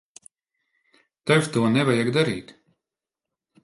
Tev to nevajag darīt.